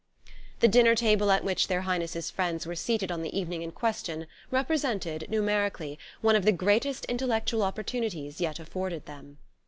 The dinner table at which their Highnesses' friends were seated on the evening in question represented, numerically, one of the greatest intellectual opportunities yet afforded them.